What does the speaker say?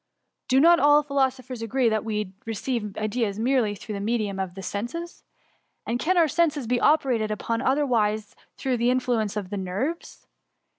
Do not all philosophers agree that we receive ideas merely through the medium of the senses.*^ And can our senses be operated upon otherwise than through the influence of the nerves